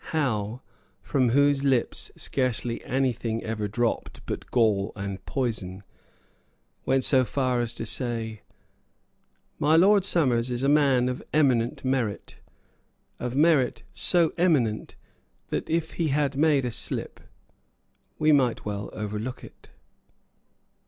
Howe, from whose lips scarcely any thing ever dropped but gall and poison, went so far as to say: "My Lord Somers is a man of eminent merit, of merit so eminent that, if he had made a slip, we might well overlook it."